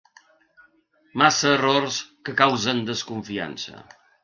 Massa errors que causen desconfiança.